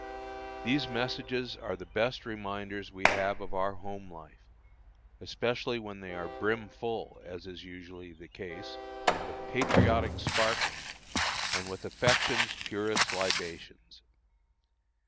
These messages are the best reminders we have of our home life, especially when they are brim full, as is usually the case, with patriotic sparkling, and with affection's purest libations.